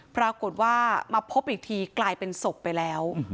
ปรากฏว่ามาพบอีกทีกลายเป็นศพไปแล้ว